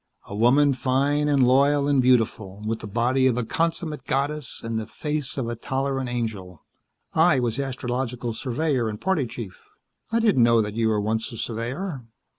A woman fine and loyal and beautiful, with the body of a consummate goddess and the face of a tolerant angel. I was astrological surveyor and party chief." "I didn't know that you were once a surveyor."